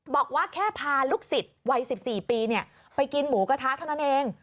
บอกว่าแค่พาลูกศิษย์วัย๑๔ปีไปกินหมูกระทะเท่านั้นเอง